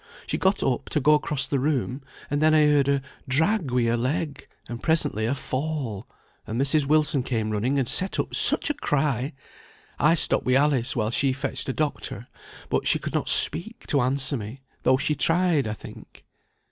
She got up to go across the room, and then I heard a drag wi' her leg, and presently a fall, and Mrs. Wilson came running, and set up such a cry! I stopped wi' Alice, while she fetched a doctor; but she could not speak, to answer me, though she tried, I think."